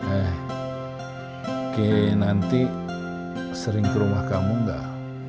eh oke nanti sering ke rumah kamu gak